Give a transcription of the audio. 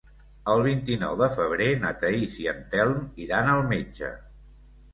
El vint-i-nou de febrer na Thaís i en Telm iran al metge.